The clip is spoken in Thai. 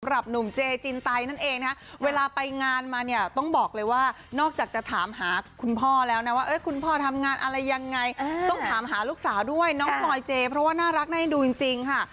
หนุ่มเจจินไตนั่นเองนะเวลาไปงานมาเนี่ยต้องบอกเลยว่านอกจากจะถามหาคุณพ่อแล้วนะว่าคุณพ่อทำงานอะไรยังไงต้องถามหาลูกสาวด้วยน้องพลอยเจเพราะว่าน่ารักน่าให้ดูจริงค่ะ